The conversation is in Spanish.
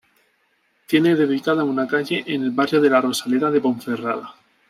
Tiene dedicada una calle en el barrio de "La Rosaleda" de Ponferrada.